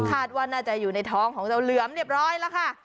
คาดว่าน่าจะอยู่ในท้องของเจ้าเหลือมเรียบร้อยแล้วค่ะ